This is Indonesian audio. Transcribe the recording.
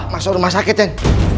masuk rumah sakit ten